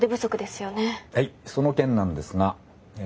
はいその件なんですがえ